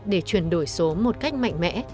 để chuyển đổi số một cách mạnh mẽ